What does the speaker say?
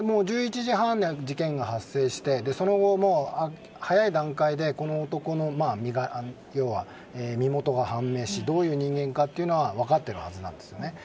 １１時半に事件が発生してその後、早い段階でこの男の身柄、身元が判明しどういう人間かというのは分かってるはずなんですよね。